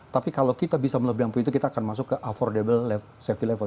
tapi kalau kita bisa melebihkan pintu kita akan masuk ke affordable safety level